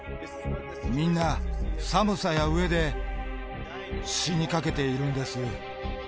みんな寒さや飢えで死にかけているんです。